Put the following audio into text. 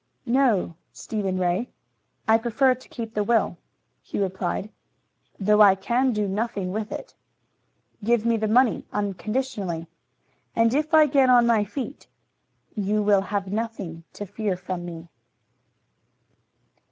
"No, Stephen Ray, I prefer to keep the will," he replied, "though I can do nothing with it. Give me the money unconditionally, and if I get on my feet you will have nothing to fear from me."